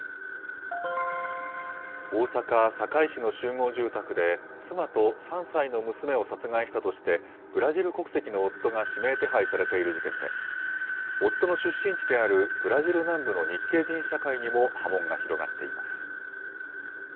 大阪・堺市の集合住宅で、妻と３歳の娘を殺害したとして、ブラジル国籍の夫が指名手配されている事件で、夫の出身地であるブラジル南部の日系人社会にも波紋が広がっています。